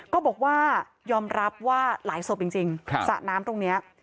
ก็บอกว่ายอมรับว่าหลายศพจริงสระน้ำตรงนี้